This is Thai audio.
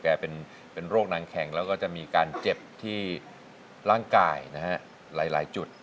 เป็นโรคนางแข็งแล้วก็จะมีการเจ็บที่ร่างกายนะฮะหลายจุด